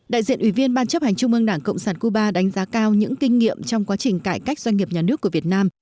đại diện ủy viên ban chấp hành trung ương đảng cộng sản cuba đánh giá cao những kinh nghiệm trong quá trình cải cách doanh nghiệp nhà nước của việt nam